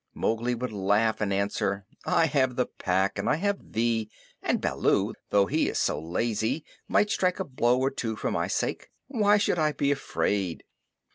Mowgli would laugh and answer: "I have the Pack and I have thee; and Baloo, though he is so lazy, might strike a blow or two for my sake. Why should I be afraid?"